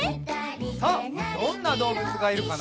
さあどんなどうぶつがいるかな？